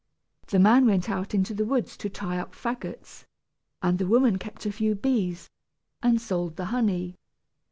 The man went out into the woods to tie up fagots, and the woman kept a few bees, and sold the honey.